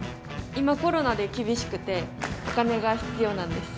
今コロナで厳しくてお金が必要なんです。